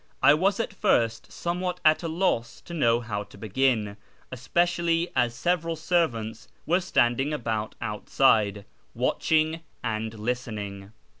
I was at first somewhat at a loss to know how to begin, especially as several servants were standing about outside, watching and listening.